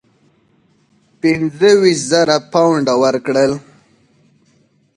پنځه ویشت زره پونډه ورکړل.